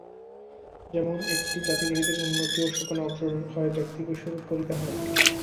যেমন একটি জাতি ধীরে ধীরে উন্নতি-সোপানে অগ্রসর হয়, ব্যক্তিকেও সেইরূপ করিতে হয়।